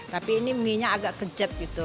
tapi ini mie nya agak kejab gitu